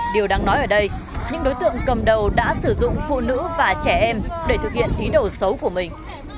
điều đáng nói ở đây những đối tượng cầm đầu đã sử dụng phụ nữ và trẻ em để thực hiện ý đồ xấu của mình